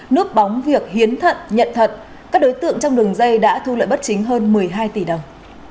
núp bóng việc hiến thận nhận thận các đối tượng trong đường dây đã thu lợi bất chính hơn một mươi hai tỷ đồng